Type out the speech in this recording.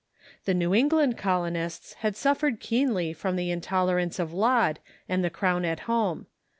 The New England col onists had suffered keenly from the intolerance of Laud and the crown at home.